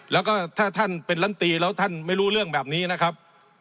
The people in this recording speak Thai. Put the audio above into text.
แล้วก็ถ้าท่านเป็นลำตีแล้วท่านไม่รู้เรื่องแบบนี้นะครับ